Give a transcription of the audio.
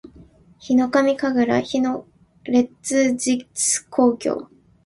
ヒノカミ神楽烈日紅鏡（ひのかみかぐられつじつこうきょう）